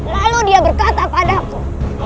lalu dia berkata padaku